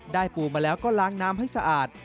ปูมาแล้วก็ล้างน้ำให้สะอาด